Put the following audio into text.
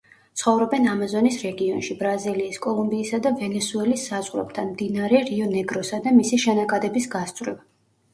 ცხოვრობენ ამაზონის რეგიონში, ბრაზილიის, კოლუმბიისა და ვენესუელის საზღვრებთან, მდინარე რიო-ნეგროსა და მისი შენაკადების გასწვრივ.